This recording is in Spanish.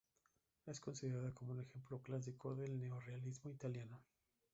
Es considerada como un ejemplo clásico del neorrealismo italiano.